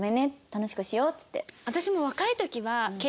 楽しくしよう」って言って。